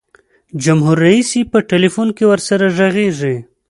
جمهور رئیس یې په ټلفون کې ورسره ږغیږي.